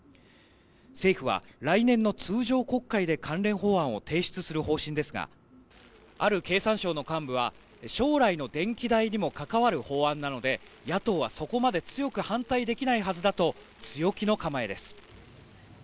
政府は来年の通常国会で関連法案を提出する方針ですがある経産省の幹部は将来の電気代にも関わる法案なので野党はそこまで強く反対できないはずだと強気の構えです。